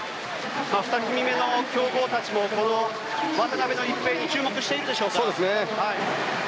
２組目の強豪たちも渡辺一平に注目しているでしょう。